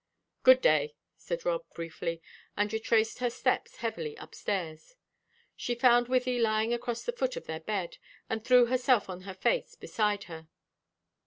"Good day," said Rob, briefly, and retraced her steps heavily upstairs. She found Wythie lying across the foot of their bed, and threw herself on her face beside her.